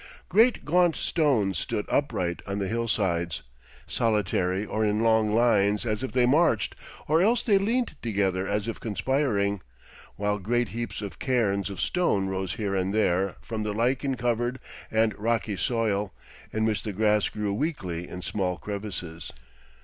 Great gaunt stones stood upright on the hillsides, solitary or in long lines as if they marched, or else they leaned together as if conspiring; while great heaps or cairns of stone rose here and there from the lichen covered and rocky soil, in which the grass grew weakly in small crevices.